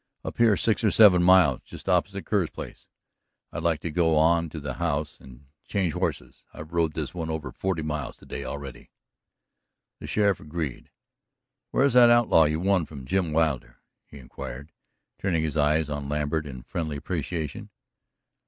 "Up here six or seven miles, about opposite Kerr's place. But I'd like to go on to the house and change horses; I've rode this one over forty miles today already." The sheriff agreed. "Where's that outlaw you won from Jim Wilder?" he inquired, turning his eyes on Lambert in friendly appreciation.